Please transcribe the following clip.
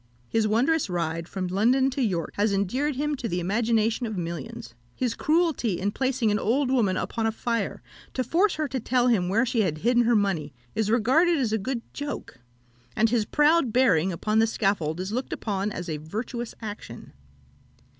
His wondrous ride from London to York has endeared him to the imagination of millions; his cruelty in placing an old woman upon a fire, to force her to tell him where she had hidden her money, is regarded as a good joke; and his proud bearing upon the scaffold is looked upon as a virtuous action.